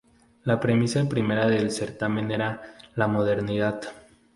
La premisa primera del certamen era la modernidad.